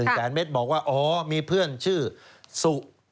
เจอยา๑๐๐เมตรบอกว่าอ๋อมีเพื่อนชื่อสุ